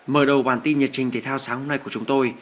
mở đầu bản tin nhiệt trình thể thao sáng hôm nay của chúng tôi